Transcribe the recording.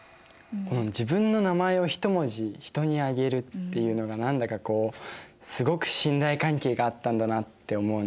自分の名前を１文字人にあげるっていうのが何だかこうすごく信頼関係があったんだなって思うな。